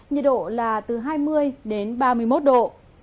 nhiệt độ là từ hai mươi đến ba mươi một độ